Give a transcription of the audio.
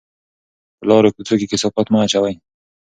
په لارو کوڅو کې کثافات مه اچوئ.